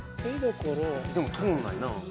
でも通らないな。